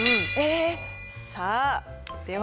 さあ、では。